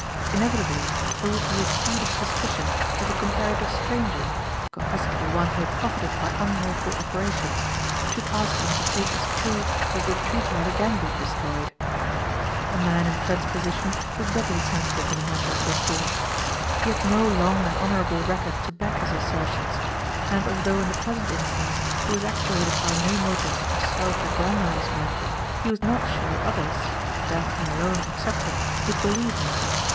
Inevitably there would be a seed of suspicion if a comparative stranger, confessedly one who had profited by unlawful operations, should ask him to take as true that the treaty had again been destroyed. A man in Trent's position was doubly sensitive in a matter of this sort. He had no long and honorable record to back his assertions; and although in the present instance he was actuated by no motives of self aggrandizement he was not sure others Daphne alone excepted would believe him.